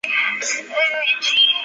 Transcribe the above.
臧明华。